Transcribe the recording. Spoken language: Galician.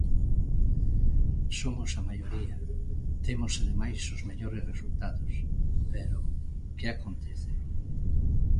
Somos a maioría, temos ademais os mellores resultados, pero, ¿que acontece?